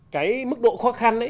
cái mức độ khó khăn